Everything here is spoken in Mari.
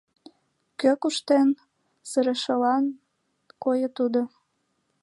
— Кӧ кӱштен?! — сырышыла койо тудо.